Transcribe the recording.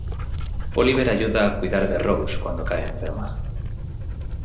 Oliver ayuda a cuidar de Rose cuando cae enferma.